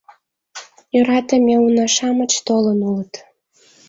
Йӧратыме уна-шамыч толын улыт.